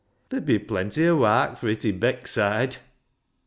Ther'd be plenty o' wark fur it i' Beckside."